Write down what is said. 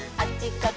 こっち！